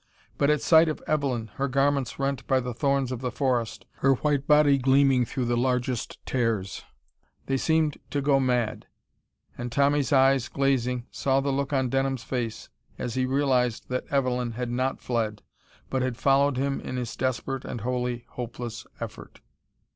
But at sight of Evelyn, her garments rent by the thorns of the forest, her white body gleaming through the largest tears, they seemed to go mad. And Tommy's eyes, glazing, saw the look on Denham's face as he realized that Evelyn had not fled, but had followed him in his desperate and wholly hopeless effort.